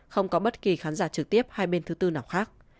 không có bất kỳ khán giả trực tiếp hai bên thứ tư nào khác